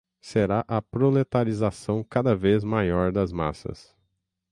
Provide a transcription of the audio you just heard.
será a proletarização cada vez maior das massas